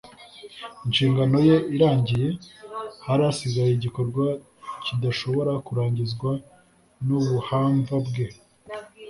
Inshingano ye irangiye, hari hasigaye igikorwa kidashobora kurangizwa n'ubuhamva bwe.